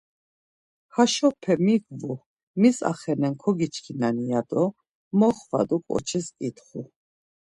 Haşope mik vu, mis axenen kogiçkinani? ya do na moxvadu ǩoçis ǩitxu.